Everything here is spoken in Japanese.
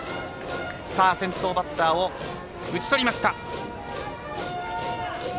先頭バッターを打ちとりました。